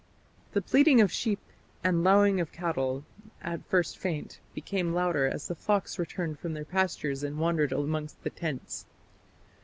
The bleating of sheep and lowing of cattle, at first faint, became louder as the flocks returned from their pastures and wandered amongst the tents.